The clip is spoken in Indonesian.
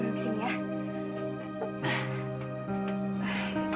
sini tidak perlu berdiri